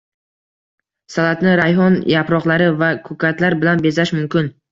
Salatni rayhon yaproqlari va ko‘katlar bilan bezash mumkin